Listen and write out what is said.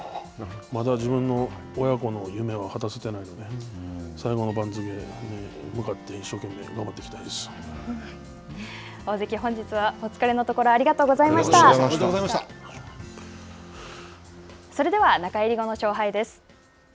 まだ自分の親子の夢は果たせていないので、最後の番付に向かって大関、本日はお疲れのところ、それでは中入り後の勝敗です。